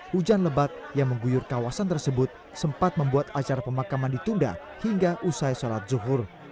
hujan lebat yang mengguyur kawasan tersebut sempat membuat acara pemakaman ditunda hingga usai sholat zuhur